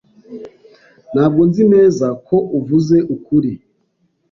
Ntabwo nzi neza ko uvuze ukuri.